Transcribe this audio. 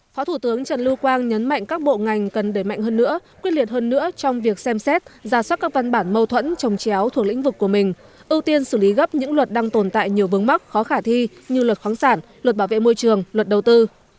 phó thủ tướng trần lưu quang nhấn mạnh các bộ ngành cần đẩy mạnh hơn nữa quyết liệt hơn nữa trong việc xem xét giả soát các văn bản mâu thuẫn trồng chéo thuộc lĩnh vực của mình ưu tiên xử lý gấp những luật đang tồn tại nhiều vướng mắc khó khả thi như luật khoáng sản luật bảo vệ môi trường luật đầu tư